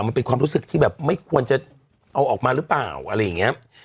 มันเป็นความรู้สึกไม่ควรแบบจะเอาออกมาหรือเปล่า